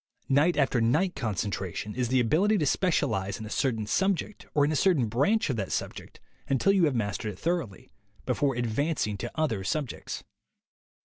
Night after night concentration is the ability to specialize in a certain subject or in a certain branch of that sub ject until you have mastered it thoroughly, before advancing to other subjects.